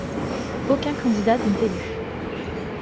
Aucun candidat n'est élu.